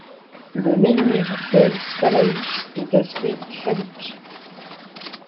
Le menhir dels Palaus est d'aspect phallique.